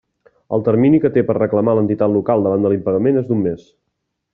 El termini que té per a reclamar l'entitat local davant de l'impagament és d'un mes.